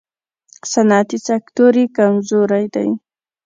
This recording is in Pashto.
صنعتي سکتور یې کمزوری دی.